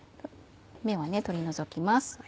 芽は取り除きます。